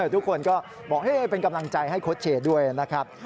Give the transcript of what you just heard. ทุกคนก็บอกเป็นกำลังใจให้โค้ชเชด้วยนะครับ